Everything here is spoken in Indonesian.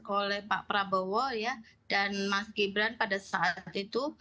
oleh pak prabowo ya dan mas gibran pada saat itu